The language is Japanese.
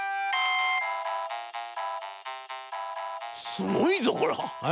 「『すごいぞこれは！